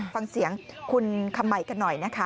ฟังเสียงคุณคำใหม่กันหน่อยนะคะ